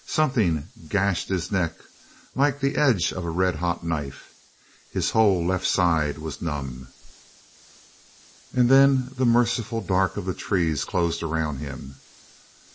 Something gashed his neck like the edge of a red hot knife, his whole left side was numb. And then the merciful dark of the trees closed around him.